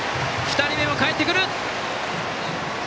２人目もかえってくる！